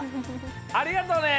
ありがとね！